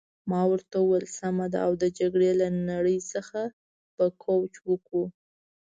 ما ورته وویل: سمه ده، او د جګړې له نړۍ څخه به کوچ وکړو.